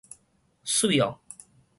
媠喔